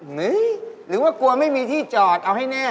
หรือว่ากลัวไม่มีที่จอดเอาให้แน่